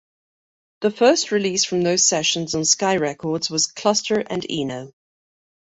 The first release from those sessions on Sky Records was "Cluster and Eno".